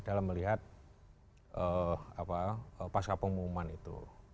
dalam melihat pasca pengumuman itu